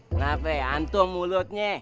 kenapa ya antum mulutnya